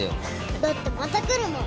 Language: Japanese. だってまた来るもん！